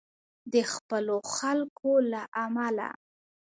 د خپلو خلکو له امله.